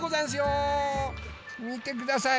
みてください